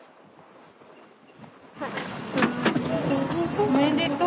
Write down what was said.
おめでとう！